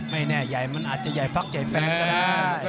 ไม่แน่ใหญ่มันอาจจะใหญ่ฟักใหญ่แฟนก็ได้